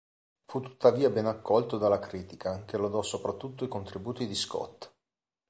Fu tuttavia ben accolto dalla critica, che lodò soprattutto i contributi di Scott.